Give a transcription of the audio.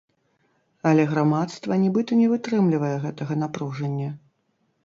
Але грамадства нібыта не вытрымлівае гэтага напружання.